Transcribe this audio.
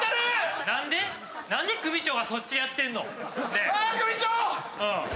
何で組長がそっちやってんの？